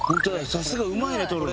さすがうまいね撮るの。